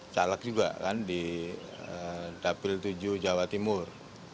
caleg juga kan di dapil tujuh jawa timur